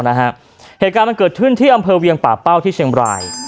เหตุการณ์มันเกิดขึ้นที่อำเภอเวียงป่าเป้าที่เชียงบราย